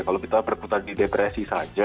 kalau kita berputar di depresi saja